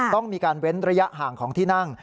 ต้องมีการเว้นระยะห่างของที่นั่ง